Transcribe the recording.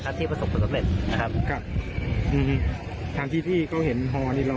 ครับที่ประสบคุณสำเร็จนะครับทางที่ที่เขาเห็นหอนี่เรา